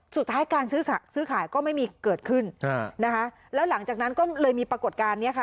สุดท้ายการซื้อซื้อขายก็ไม่มีเกิดขึ้นนะคะแล้วหลังจากนั้นก็เลยมีปรากฏการณ์นี้ค่ะ